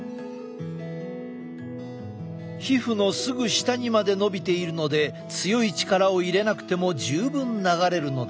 皮膚のすぐ下にまでのびているので強い力を入れなくても十分流れるのだ。